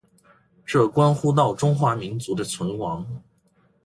这关乎到中华民族的存亡。